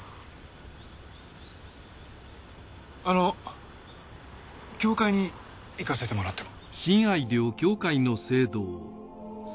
あの教会に行かせてもらっても？